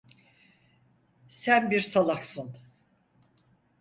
Sen bir salaksın.